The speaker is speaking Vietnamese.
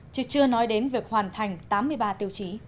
chứ chưa nói đến việc hoàn thành tám mươi ba tiêu chí